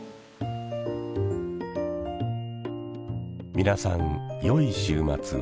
皆さんよい週末を。